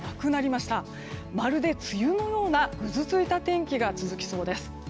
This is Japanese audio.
まるで梅雨のようなぐずついた天気が続きそうです。